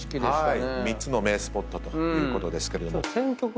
３つの名スポットということですけども。